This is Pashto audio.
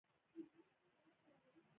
د تکنیټیم لومړنی مصنوعي عنصر و.